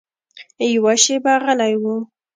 يوه شېبه غلى و.